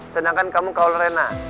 sedangkan kamu kawal rena